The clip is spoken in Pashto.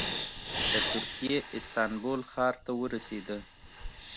د ترکیې استانبول ښار ته ورسېده.